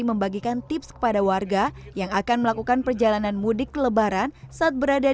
membagikan tips kepada warga yang akan melakukan perjalanan mudik lebaran saat berada